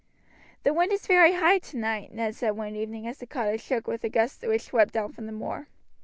"The wind is very high tonight," Ned said one evening as the cottage shook with a gust which swept down from the moor.